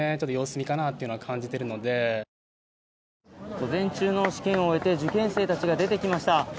午前中の試験を終えて受験生たちが、出てきました。